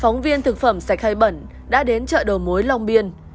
phóng viên chương trình thực phẩm sạch hay bẩn đã đến chợ đầu mối long biên